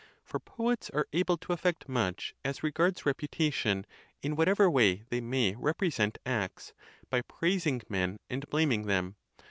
For poets are able to effect much as regards reput ation, in whatever way they may represent acts, by praising men and blaming! them.